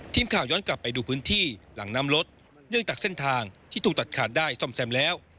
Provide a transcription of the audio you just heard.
ทีมข่าวย้อนกลับไปดูพื้นที่หลังน้ำรถเนื่องจากเส้นทางที่ถูกตัดขาดได้ซ่อมแซมแล้ว